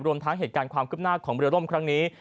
รวมทั้งเหตุการณ์ความคืบหน้าของเรือล่มครั้งนี้